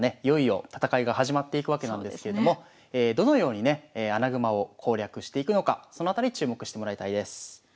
いよいよ戦いが始まっていくわけなんですけれどもどのようにね穴熊を攻略していくのかそのあたり注目してもらいたいです。